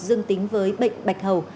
dương tính với bệnh bạch hầu